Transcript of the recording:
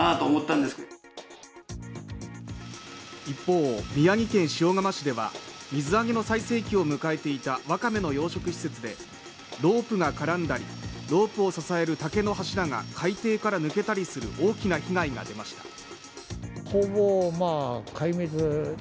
一方、宮城県塩釜市では水揚げの最盛期を迎えていたわかめの養殖施設でロープが絡んだりロープを支える竹の柱が海底から抜けたりする大きな被害が出ました。